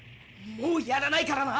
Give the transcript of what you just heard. もうやらないからな。